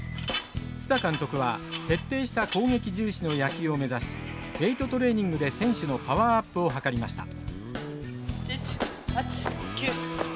蔦監督は徹底した攻撃重視の野球を目指しウエイトトレーニングで選手のパワーアップを図りました。